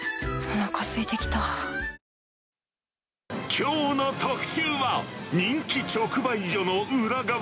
きょうの特集は、人気直売所のウラ側。